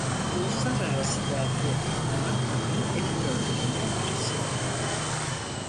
Uluslararası Dergi "Monato"'nun editörlerinden birisi.